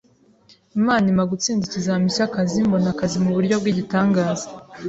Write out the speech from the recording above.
Imana impa gutsinda ikizamini cy’akazi mbona akazi mu buryo bw’igitangaza!